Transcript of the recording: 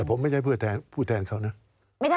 แต่ผมไม่ใช่ผู้แทนเขานะ